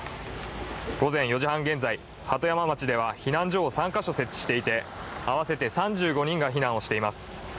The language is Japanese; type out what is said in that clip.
午前４時半現在、鳩山町では避難所を３カ所設置していて、合わせて３５人が避難をしています。